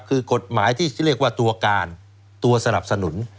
คือกฎหมายที่เรียกว่าตัวการตัวสนับสนุน